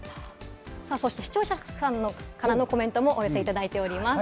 そして視聴者さんからのコメントもお寄せいただいています。